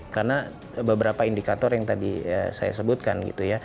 karena beberapa indikator yang tadi saya sebutkan